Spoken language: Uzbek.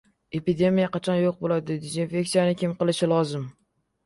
Epidemiya qachon yo‘q bo‘ladi? Dezinfeksiyani kim qilishi lozim?